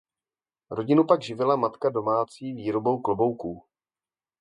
Rodinu pak živila matka domácí výrobou klobouků.